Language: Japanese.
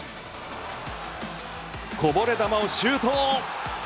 こぼれ球をシュート！